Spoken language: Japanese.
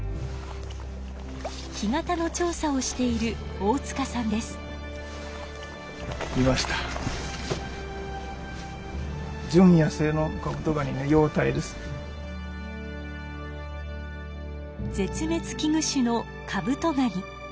干潟の調査をしている絶滅危惧種のカブトガニ。